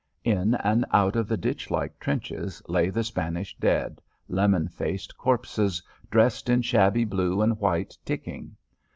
In and out of the ditch like trenches lay the Spanish dead, lemon faced corpses dressed in shabby blue and white ticking.